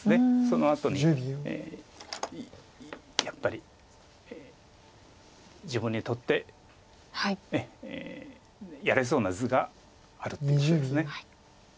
そのあとにやっぱり自分にとってやれそうな図があるっていうことです。